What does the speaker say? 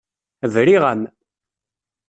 Briɣ-am.